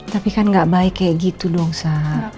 tapi kan nggak baik kayak gitu dong sa